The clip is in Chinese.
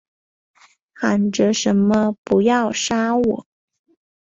喊着什么不要杀我